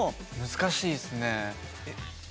難しいですね。